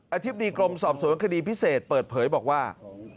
อธิบดีกรมสอบสวนคดีพิเศษเปิดเผยบอกว่า